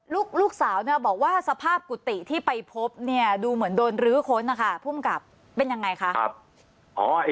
ลูกสาวเนี่ยบอกว่าสภาพกุฏิที่ไปพบเนี่ยดูเหมือนโดนรื้อค้นนะคะภูมิกับเป็นยังไงคะ